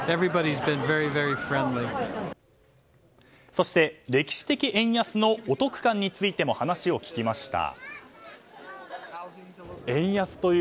そして歴史的円安のお得感についても話を聞きました。